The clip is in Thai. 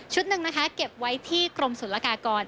ชุดหนึ่งเก็บไว้ที่กรมศูนย์ละกากร